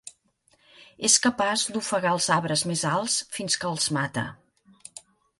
És capaç d'ofegar els arbres més alts fins que els mata.